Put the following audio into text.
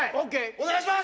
お願いします